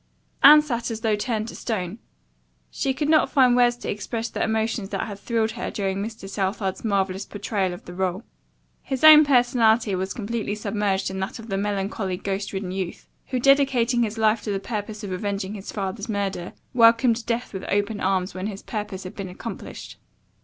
Anne sat as though turned to stone. She could not find words to express the emotions that had thrilled her during Mr. Southard's marvelous portrayal of the role. His own personality was completely submerged in that of the melancholy ghost ridden youth, who, dedicating his life to the purpose of avenging his father's murder, welcomed death with open arms when his purpose had been accomplished.